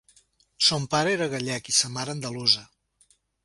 Son pare era gallec i sa mare andalusa.